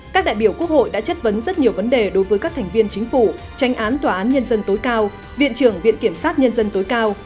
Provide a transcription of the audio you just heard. các đại biểu quốc hội đã chất vấn rất nhiều vấn đề đối với các thành viên chính phủ tranh án tòa án nhân dân tối cao viện trưởng viện kiểm sát nhân dân tối cao